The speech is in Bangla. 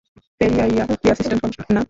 পেরিয়াইয়া কী এসিস্ট্যান্ট কমিশনার না?